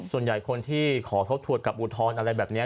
ส่วนใหญ่คนที่ขอทบทวนกับอุทธรณ์อะไรแบบนี้